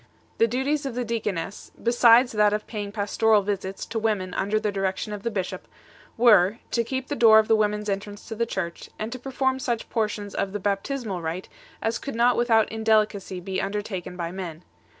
The duties of the deaconess, besides that of paying pastoral visits to women under the direction of the bishop, were, to keep the door of the women s entrance to the church, and to perform such portions of the baptismal rite as could not without indelicacy be undertaken by men 13